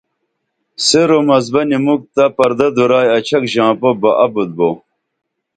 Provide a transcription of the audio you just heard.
سیر و مس بنی مُکھ تہ پردہ دورائی اچھک ژاں پوپ بہ ابُت بو